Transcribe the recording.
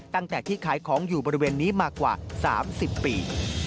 ตั้งแต่ที่ขายของอยู่บริเวณนี้มากว่า๓๐ปี